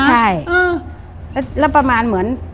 ใช่แล้วประมาณเหมือน